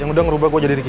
nggak mau ngerti